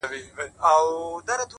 • ستاسو خوږو مینوالو سره شریکوم,